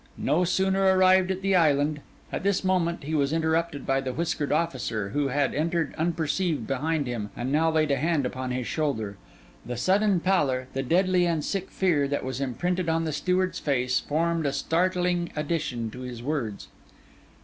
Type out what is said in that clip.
No sooner arrived at the island—' At this moment he was interrupted by the whiskered officer, who had entered unperceived behind him, and now laid a hand upon his shoulder. The sudden pallor, the deadly and sick fear, that was imprinted on the steward's face, formed a startling addition to his words.